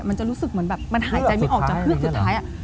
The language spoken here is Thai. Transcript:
มันจะรู้สึกเหมือนแบบมันหายใจไม่ออกจากเฮือกสุดท้าย